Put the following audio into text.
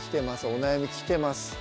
お悩み来てます